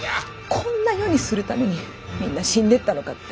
こんな世にするためにみんな死んでったのかって。